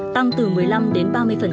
tăng từ một mươi năm đến ba mươi